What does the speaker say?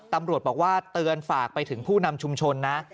ตำรวจบอกว่าเตือนฝากไปถึงผู้นำชุมชนนะ